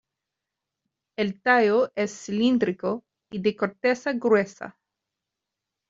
El tallo es cilíndrico y de corteza gruesa.